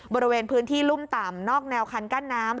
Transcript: บริเวณพื้นที่รุ่มต่ำนอกแนวคันกั้นน้ำ